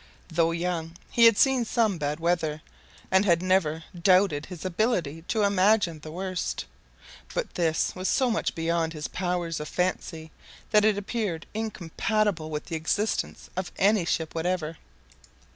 Though young, he had seen some bad weather, and had never doubted his ability to imagine the worst; but this was so much beyond his powers of fancy that it appeared incompatible with the existence of any ship whatever.